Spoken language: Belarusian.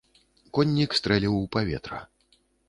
Коннік стрэліў у паветра.